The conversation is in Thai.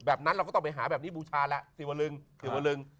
แบบนั้นเราก็ต้องไปหาแบบนี้บุชาละศิวรึง